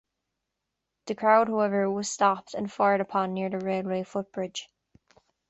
The crowd, however, was stopped and fired upon near the railway foot-bridge.